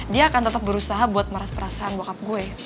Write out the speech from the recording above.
dia akan tetep berusaha buat meras perasaan bokap gue